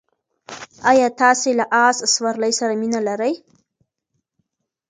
ایا تاسې له اس سورلۍ سره مینه لرئ؟